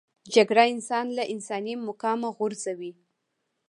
جګړه انسان له انساني مقامه غورځوي